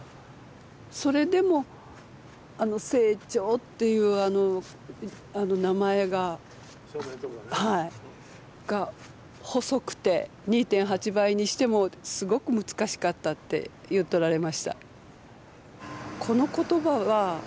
それでも「清張」っていうあの名前が細くて２．８倍にしてもすごく難しかったって言っておられました。